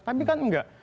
tapi kan enggak